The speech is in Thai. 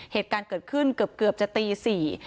เหตุการณ์เกิดขึ้นเกือบเกือบจะตีสี่